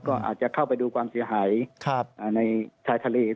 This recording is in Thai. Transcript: ก็อาจจะเข้าไปดูความเสียหายในชายทะเล